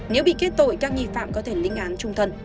nếu bị kết tội các nghi phạm có thể linh án trung thân